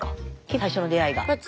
最初の出会いが。